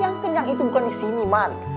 yang kenyang itu bukan disini man